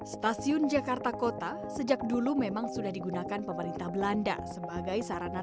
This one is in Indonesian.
stasiun jakarta kota sejak dulu memang sudah digunakan pemerintah belanda sebagai sarana